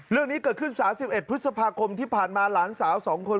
เรื่องนี้เกิดขึ้น๓๑พฤษภาคมที่ผ่านมาหลานสาว๒คน